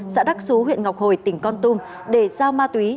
xã đắc xú huyện ngọc hồi tỉnh con tum để giao ma túy